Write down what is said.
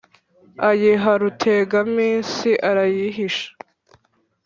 ayiha rutegaminsi arayihisha